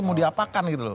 mau diapakan gitu loh